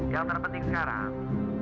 yang terpenting sekarang